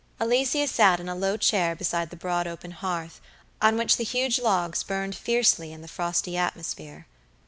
Alicia sat in a low chair beside the broad open hearth, on which the huge logs burned fiercely in the frosty atmosphere.